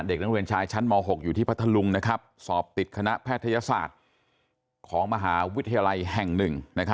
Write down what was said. เด็กนักเรียนชายชั้นม๖อยู่ที่พัทธลุงสอบติดคณะแพทยศาสตร์ของมหาวิทยาลัยแห่ง๑